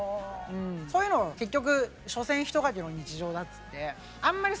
そういうの結局「所詮ひとかけの日常」だっつってあんまり